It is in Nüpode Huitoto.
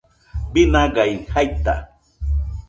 binagai jaita